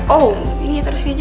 oh ini terus ini aja